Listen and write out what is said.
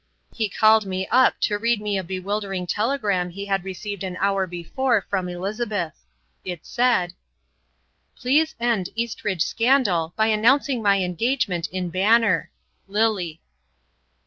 He called me up to read me a bewildering telegram he had received an hour before from Elizabeth. It said: "Please end Eastridge scandal by announcing my engagement in Banner. Lily."